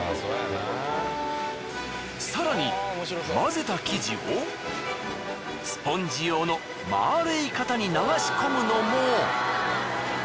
更に混ぜた生地をスポンジ用の丸い型に流し込むのも。